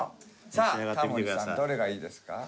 さあタモリさんどれがいいですか？